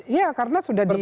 ya karena sudah diambil